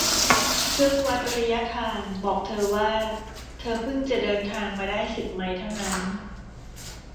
เครื่องวัดระยะทางบอกเธอว่าเธอพึ่งจะเดินทางมาได้สิบไมล์เท่านั้น